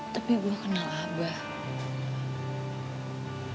tapi gue kenal abah